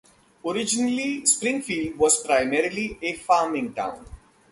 Originally, Springfield was primarily a farming town.